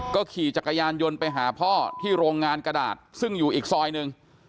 ก็ขี่จักรยานยนต์ไปหาพ่อที่โรงงานกระดาษซึ่งอยู่อีกซอยหนึ่ง